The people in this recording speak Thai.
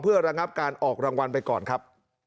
เพื่อระงับการออกรางวัลไปก่อนครับ